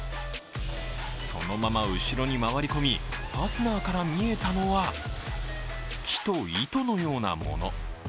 そのまま後ろに回り込み、ファスナーから見えたのは、木と糸のようなもの。